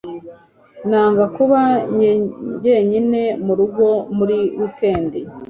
Nanga kuba njyenyine murugo muri wikendi.